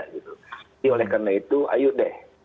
tapi oleh karena itu ayo deh